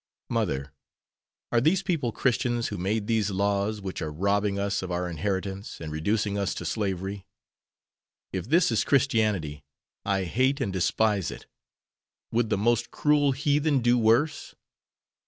"Mother, are these people Christians who made these laws which are robbing us of our inheritance and reducing us to slavery? If this is Christianity I hate and despise it. Would the most cruel heathen do worse?"